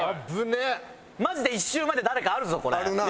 マジで１周目で誰かあるぞこれ。